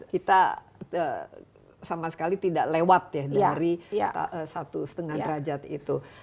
kita sama sekali tidak lewat ya dari satu lima derajat itu